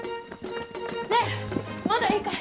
ねえまだいいかい？